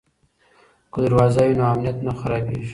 که دروازه وي نو امنیت نه خرابېږي.